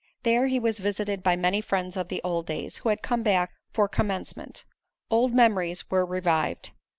There he was visited by many friends of the old days, who had come back for Commencement. Old memories were revived.